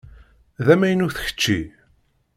D amaynut kečči?